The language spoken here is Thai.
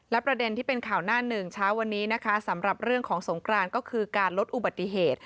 และประเด็นที่เป็นข่าวหน้าหนึ่งเช้าวันนี้นะคะสำหรับเรื่องของสงกรานก็คือการลดอุบัติเหตุ